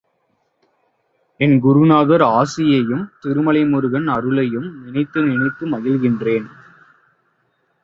என் குருநாதர் ஆசியையும் திருமலை முருகன் அருளையும் நினைந்து நினைந்து மகிழ்கின்றேன்.